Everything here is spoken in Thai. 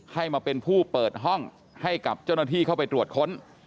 ให้มาเป็นผู้เปิดห้องให้กับเจ้าหน้าที่เข้าไปตรวจค้น